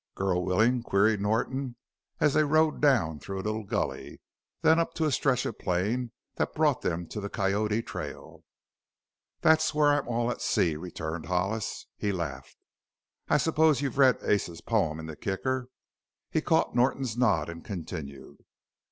"Girl willin'?" queried Norton, as they rode down through a little gully, then up to a stretch of plain that brought them to the Coyote trail. "That's where I am all at sea," returned Hollis. He laughed. "I suppose you've read Ace's poem in the Kicker?" He caught Norton's nod and continued.